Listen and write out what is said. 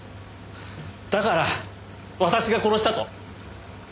だから私が殺したと？